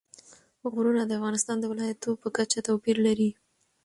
غرونه د افغانستان د ولایاتو په کچه توپیر لري.